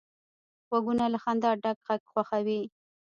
غوږونه له خندا ډک غږ خوښوي